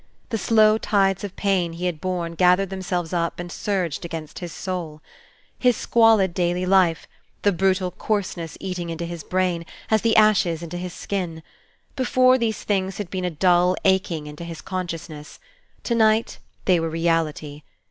The slow tides of pain he had borne gathered themselves up and surged against his soul. His squalid daily life, the brutal coarseness eating into his brain, as the ashes into his skin: before, these things had been a dull aching into his consciousness; to night, they were reality.